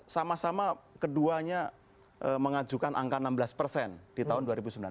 dua ribu empat belas sama sama keduanya mengajukan angka enam belas persen di tahun dua ribu sembilan belas